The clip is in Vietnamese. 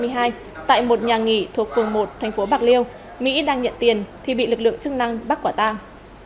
nhà nghi thuộc phường một thành phố bạc liêu mỹ đang nhận tiền thì bị lực lượng chức năng bắt quả tang